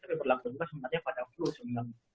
tapi berlaku juga sebenarnya pada flu sebenarnya